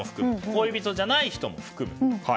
恋人じゃない人も含む。